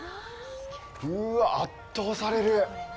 うわ、圧倒される。